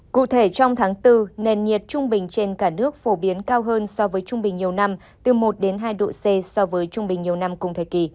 cụ thể trong tháng bốn nền nhiệt trung bình trên cả nước phổ biến cao hơn so với trung bình nhiều năm từ một đến hai độ c so với trung bình nhiều năm cùng thời kỳ